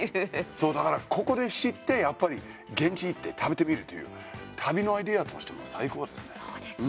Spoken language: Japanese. そう、だからここで知って、やっぱり現地行って食べてみるという旅のアイデアとしても最高ですね。